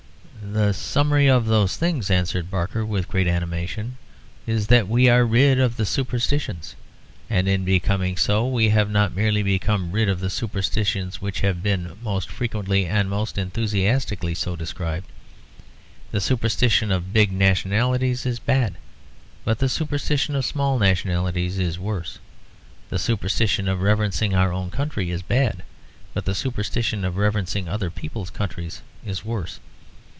"The summary of those things," answered Barker, with great animation, "is that we are rid of the superstitions, and in becoming so we have not merely become rid of the superstitions which have been most frequently and most enthusiastically so described. The superstition of big nationalities is bad, but the superstition of small nationalities is worse. The superstition of reverencing our own country is bad, but the superstition of reverencing other people's countries is worse.